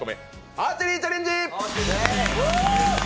アーチェリーチャレンジ。